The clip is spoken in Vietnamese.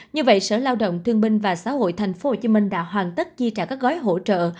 như vậy sở lao động thương binh và xã hội tp hcm đã hoàn tất chi trả các gói hỗ trợ